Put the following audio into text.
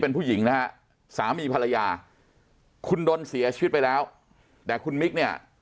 เป็นผู้หญิงนะฮะสามีภรรยาคุณดนเสียชีวิตไปแล้วแต่คุณมิกเนี่ย